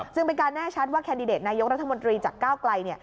ซึ่งเป็นการแน่ชัดว่าแคนดิเดตนายกรัฐมนตรีจากก้าวไกล